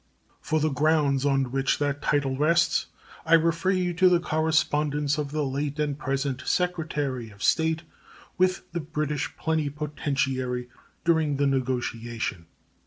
For the grounds on which that title rests I refer you to the correspondence of the late and present Secretary of State with the British plenipotentiary during the negotiation.